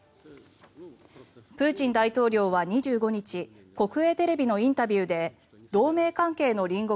プーチン大統領は２５日国営テレビのインタビューで同盟関係の隣国